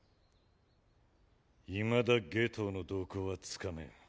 いまだ夏油の動向はつかめん。